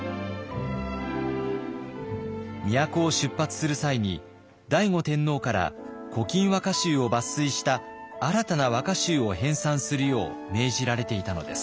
都を出発する際に醍醐天皇から「古今和歌集」を抜粋した新たな和歌集を編さんするよう命じられていたのです。